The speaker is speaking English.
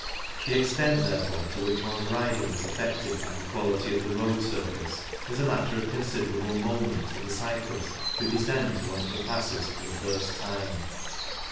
The extent, there fore, to which one's riding is affected by the quality of the road surface is a matter of considerable moment to the cyclist who descends one of the passes for the first time.